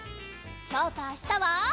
きょうとあしたは。